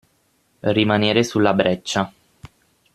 Rimanere sulla breccia.